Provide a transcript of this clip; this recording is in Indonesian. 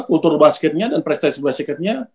kultur basketnya dan prestasi basicketnya